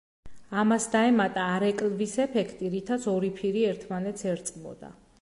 ამას დაემატა არეკლვის ეფექტი, რითაც ორი ფირი ერთმანეთს ერწყმოდა.